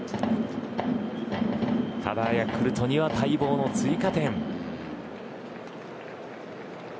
ただヤクルトには待望の追加点。